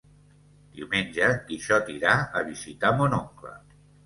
Diumenge en Quixot irà a visitar mon oncle.